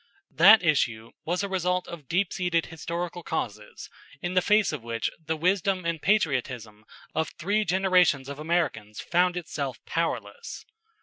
That issue was a result of deepseated historical causes in the face of which the wisdom and patriotism of three generations of Americans found itself powerless.